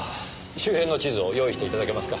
周辺の地図を用意して頂けますか？